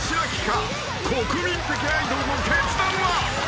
［国民的アイドルの決断は］